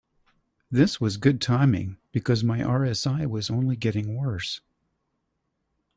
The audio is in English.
This was good timing, because my RSI was only getting worse.